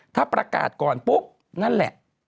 ถ้าประกาศก่อนปุ๊บนั่นแหละ